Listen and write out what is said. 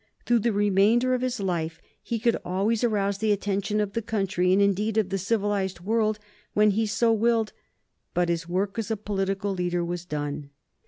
Through the remainder of his life he could always arouse the attention of the country, and indeed of the civilized world, when he so willed, but his work as a political leader was done.